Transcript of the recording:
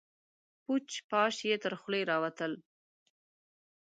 پوچ، پاش يې تر خولې راوتل.